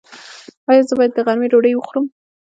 ایا زه باید د غرمې ډوډۍ وخورم؟